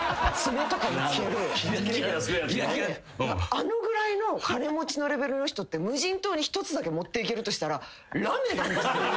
あのぐらいの金持ちのレベルの人って無人島に一つだけ持っていけるとしたらラメなんです。